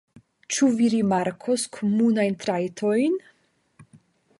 Ĉu vi rimarkos komunajn trajtojn?